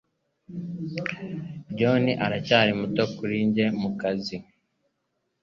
John aracyari muto kuri njye kukazi